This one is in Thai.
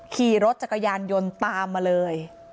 ขี่รถจักรยานยนต์ตามมาเลย